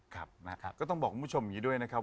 ก็ต้องบอกคุณผู้ชมอย่างนี้ด้วยนะครับ